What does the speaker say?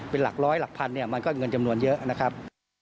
เป็นหลักร้อยหลักพันเนี่ยมันก็เงินจำนวนเยอะนะครับ